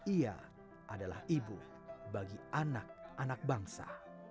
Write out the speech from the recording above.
ia adalah ibu bagi anak anak bangsa